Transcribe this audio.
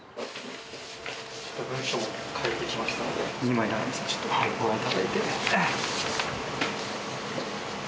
文章書いてきましたので２枚なんですがちょっとご覧いただいて。